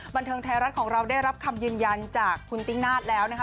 บันเทิงไทยรัฐของเราได้รับคำยืนยันจากคุณตินาศแล้วนะคะ